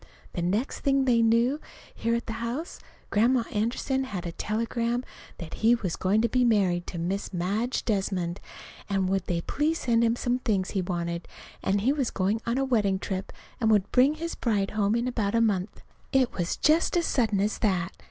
The next thing they knew here at the house, Grandma Anderson had a telegram that he was going to be married to Miss Madge Desmond, and would they please send him some things he wanted, and he was going on a wedding trip and would bring his bride home in about a month. It was just as sudden as that.